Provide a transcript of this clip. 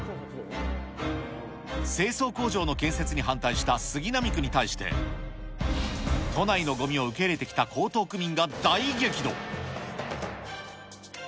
清掃工場の建設に反対した杉並区に対して、都内のごみを受け入れてきた江東区民が大激怒。